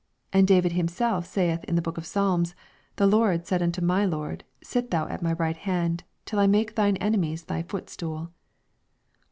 42 And David himself saith in the book of Psalms, The Lobo said unto my Lord, Sit thou on my right hand, 48 Till I make thine enemies thy footstool.